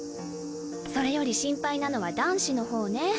それより心配なのは男子の方ね。